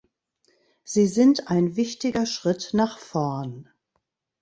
Sie sind ein wichtiger Schritt nach vorn.